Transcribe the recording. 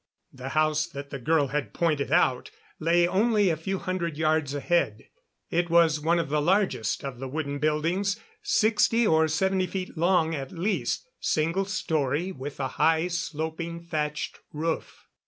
The house that the girl had pointed out lay only a few hundred yards ahead. It was one of the largest of the wooden buildings sixty or seventy feet long at least single story, with a high sloping thatched roof.